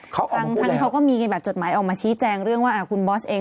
ทั้งที่เขาก็มีแบบจดหมายออกมาชี้แจงเรื่องว่าคุณบอสเอง